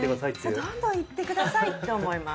どんどん行ってくださいって思います。